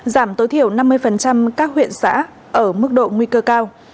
giảm tối thiểu năm mươi các huyện xã ở mức độ nguy cơ cao